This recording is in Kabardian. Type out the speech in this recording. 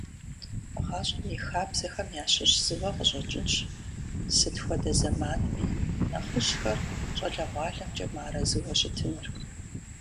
ГъащӀэм и хабзэхэм ящыщ зыуэ къыщӀэкӀынщ, сыт хуэдэ зэманми нэхъыжьхэр щӀалэгъуалэмкӀэ мыарэзыуэ щытыныр.